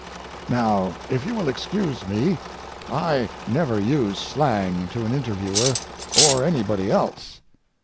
Now, if you will excuse me, I never use slang to an interviewer or anybody else.